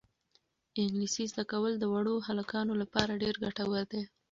انګلیسي زده کول د وړو هلکانو لپاره ډېر ګټور دي.